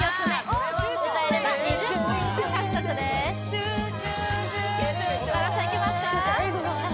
これはもう歌えれば２０ポイント獲得です岡田さんいきますか？